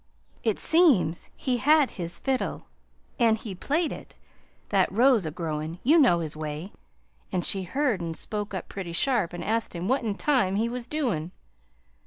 It seems he had his fiddle, an' he, played it, that rose a growin' (you know his way!), an' she heard an' spoke up pretty sharp an' asked him what in time he was doin'.